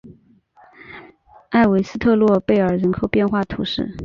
埃韦特萨勒贝尔人口变化图示